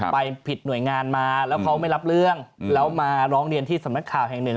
ไปผิดหน่วยงานมาแล้วเขาไม่รับเรื่องแล้วมาร้องเรียนที่สำนักข่าวแห่งหนึ่ง